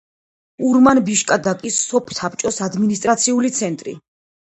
ურმან-ბიშკადაკის სოფსაბჭოს ადმინისტრაციული ცენტრი.